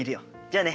じゃあね。